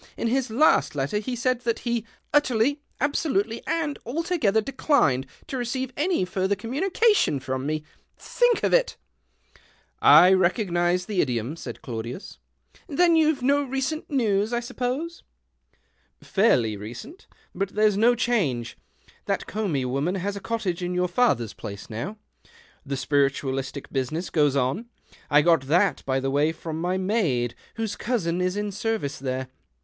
In his last letter he said ;hat he ' Utterly, absolutely, and altogether leclined ' to receive any further communica ion from me. Think of it !"" I recognize the idiom," said Claudius. ' Then you've no recent news, 1 suppose ?" 158 THE OCTAVE OF CLAUDIUS. " Fairly recent ; but there's no change. That Comby woman has a cottage in your father's phace now. The spiritualistic business goes on. I got that, by the way, from my maid, whose cousin is in service there.